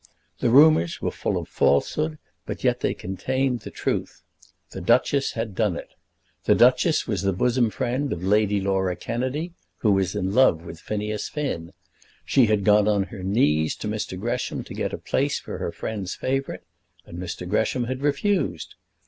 The rumours were full of falsehood, but yet they contained the truth. The duchess had done it. The duchess was the bosom friend of Lady Laura Kennedy, who was in love with Phineas Finn. She had gone on her knees to Mr. Gresham to get a place for her friend's favourite, and Mr. Gresham had refused.